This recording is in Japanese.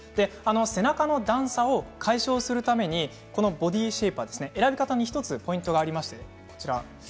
背中の段差を解消するためにボディシェイパー、選び方にはもう１つポイントがあります。